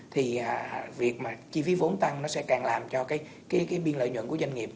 thì việc mà chi phí vốn tăng nó sẽ càng làm cho cái biên lợi nhuận của doanh nghiệp